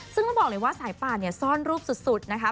ซึ่งต้องบอกเลยว่าสายป่าเนี่ยซ่อนรูปสุดนะคะ